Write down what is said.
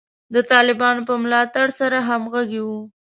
د طالبانو په ملاتړ کې سره همغږي وو.